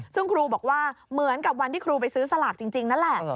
ซึ่งครูบอกว่าเหมือนกับวันที่ครูไปซื้อสลากจริงนั่นแหละ